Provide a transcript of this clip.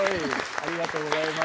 ありがとうございます。